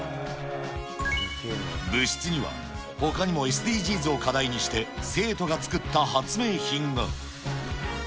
部室には、ほかにもＳＤＧｓを課題にして、生徒が作った発明品が。